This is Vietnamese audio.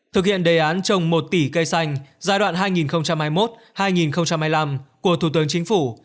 thực hiện đề án trồng một tỷ cây xanh giai đoạn hai nghìn hai mươi một hai nghìn hai mươi năm của thủ tướng chính phủ